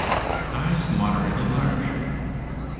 Eyes moderately large.